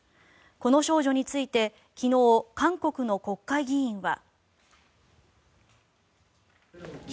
この少女について昨日、韓国の国会議員は。